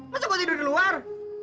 masa gue tidur di luar